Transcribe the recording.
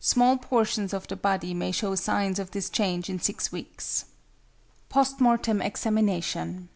Small portions of the body may show signs of this change in six weeks. =Post Mortem Examination.